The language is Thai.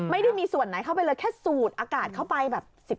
ไม่ได้มีส่วนไหนเข้าไปเลยแค่สูดอากาศเข้าไปแบบ๑๐